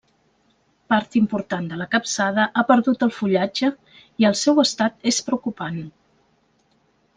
Part important de la capçada ha perdut el fullatge i el seu estat és preocupant.